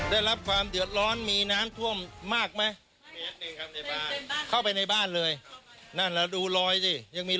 ได้รับความเดือดร้อนมีน้ำท่วมมากไหมเข้าไปในบ้านเลยนั่นแล้วดูลอยดิยังมี